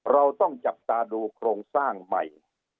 เราต้องจับตาดูโครงสร้างใหม่